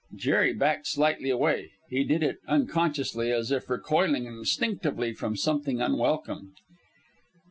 Jerry backed slightly away. He did it unconsciously, as if recoiling instinctively from something unwelcome.